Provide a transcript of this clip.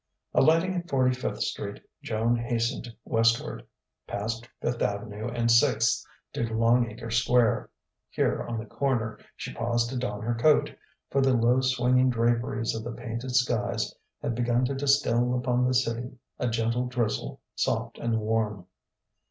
Alighting at Forty fifth Street, Joan hastened westward, past Fifth Avenue and Sixth to Longacre Square. Here on the corner, she paused to don her coat; for the low swinging draperies of the painted skies had begun to distil upon the city a gentle drizzle, soft and warm.